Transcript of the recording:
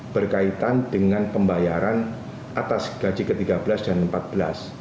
berkaitan dengan pembayaran atas gaji ke tiga belas dan ke empat belas